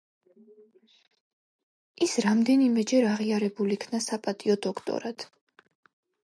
ის რამდენიმეჯერ აღიარებულ იქნა საპატიო დოქტორად.